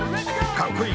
かっこいい！